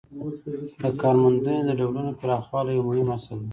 د کارموندنې د ډولونو پراخوالی یو مهم اصل دی.